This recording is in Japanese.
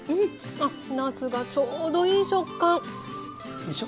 あなすがちょうどいい食感。でしょ。